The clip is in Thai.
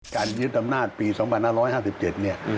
การยึดธรรมนาธิปี๒๑๕๗เนี่ย